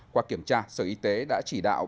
qua kiểm tra sở y tế đã chỉ đạo